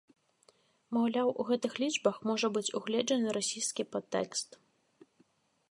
Маўляў, у гэтых лічбах можа быць угледжаны расісцкі падтэкст.